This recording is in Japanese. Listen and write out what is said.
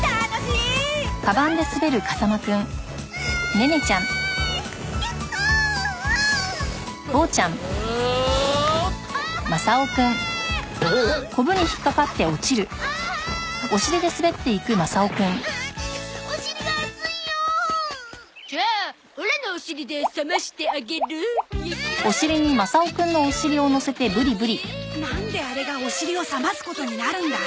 なんであれがお尻を冷ますことになるんだ？